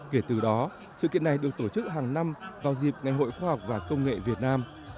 kể từ đó sự kiện này được tổ chức hàng năm vào dịp ngày hội khoa học và công nghệ việt nam